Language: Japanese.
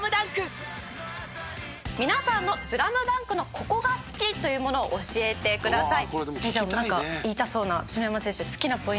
皆さんの『スラムダンク』のここが好きというものを教えてください。